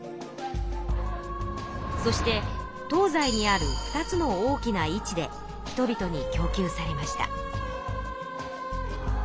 そして東西にある２つの大きな市で人々にきょう給されました。